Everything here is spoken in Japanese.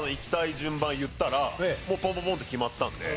順番言ったらポンポンポンって決まったんで。